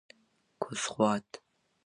کوز خوات: